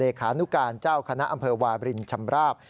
ขานุการเจ้าคณะอำเภอวาบรินชำราบ